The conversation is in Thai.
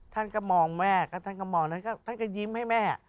ท่านก็มองแม่ท่านก็มองแล้วก็ท่านก็ยิ้มให้แม่